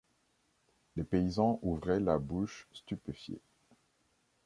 Les paysans ouvraient la bouche, stupéfiés.